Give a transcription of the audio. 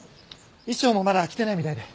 衣装もまだ着てないみたいで。